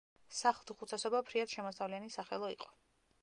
სახლთუხუცესობა ფრიად შემოსავლიანი სახელო იყო.